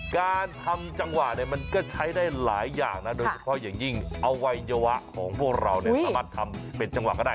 การทำจังหวะเนี่ยมันก็ใช้ได้หลายอย่างนะโดยเฉพาะอย่างยิ่งอวัยวะของพวกเราเนี่ยสามารถทำเป็นจังหวะก็ได้